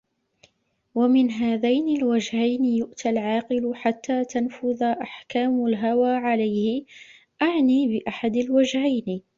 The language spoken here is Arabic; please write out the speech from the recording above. وَمِنْ هَذَيْنِ الْوَجْهَيْنِ يُؤْتَى الْعَاقِلُ حَتَّى تَنْفُذَ أَحْكَامُ الْهَوَى عَلَيْهِ أَعْنِي بِأَحَدِ الْوَجْهَيْنِ